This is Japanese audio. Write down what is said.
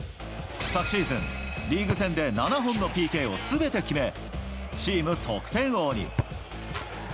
昨シーズン、リーグ戦で７本のＰＫをすべて決め、チーム得点王に。